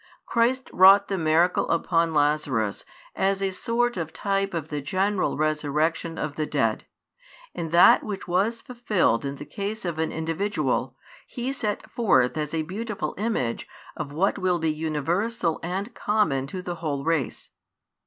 Christ wrought the miracle upon Lazarus as a sort of type of the general resurrection of the dead, and that which was fulfilled in the case of an individual He set forth as a |131 beautiful image of what will be universal and common to the whole race.